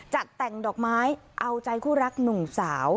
จัดแต่งดอกไม้เอาใจคู่รักหนุ่มสาว